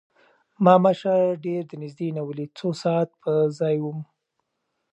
ما مشر ډېر د نزدې نه وليد څو ساعت پۀ ځائې ووم